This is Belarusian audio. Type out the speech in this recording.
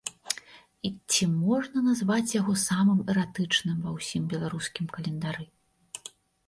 І ці можна назваць яго самым эратычным ва ўсім беларускім календары?